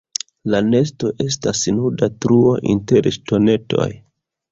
La nesto estas nuda truo inter ŝtonetoj.